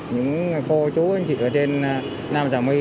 những cô chú anh chị ở trên nam giả my